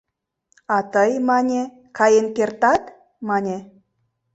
А тый, — мане, — каен кертат, — мане».